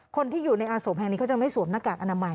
คนที่อยู่ในอาสมแห่งนี้เขาจะไม่สวมหน้ากากอนามัย